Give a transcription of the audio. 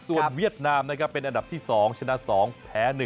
ส่วนเวียดนามนะครับเป็นอันดับที่๒ชนะ๒แพ้๑